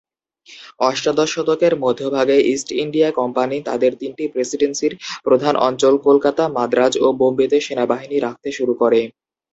অষ্টাদশ শতকের মধ্যভাগে ইস্ট ইন্ডিয়া কোম্পানি তাদের তিনটি প্রেসিডেন্সির প্রধান অঞ্চল কলকাতা, মাদ্রাজ ও বোম্বেতে সেনাবাহিনী রাখতে শুরু করে।